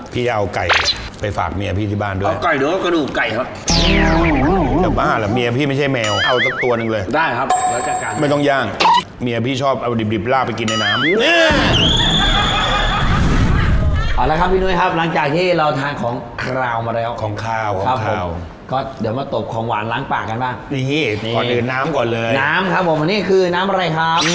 พี่เอาไก่ไปฝากเมียพี่ที่บ้านด้วยเอาไก่เดี๋ยวก็กระดูกไก่